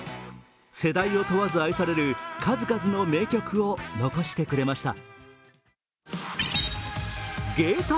世代を問わず愛される数々の名曲を残してくれました。